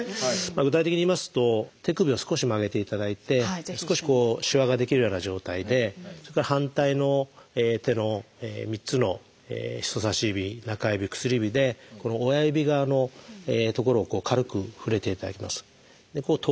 具体的にいいますと手首を少し曲げていただいて少ししわが出来るような状態でそれから反対の手の３つの人さし指中指薬指で親指側の所を軽く触れていただきます。